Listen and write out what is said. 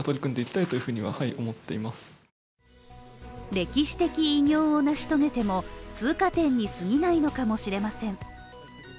歴史的偉業を成し遂げても通過点に過ぎないのかもしれません。